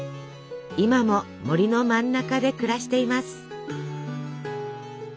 今も森の真ん中で暮らしています。